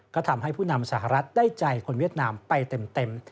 ก็ทำให้ผู้นำสหรัฐได้ใจคนเวียดนามไปเต็ม